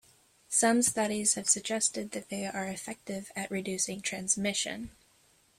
Some studies have suggested that they are effective at reducing transmission.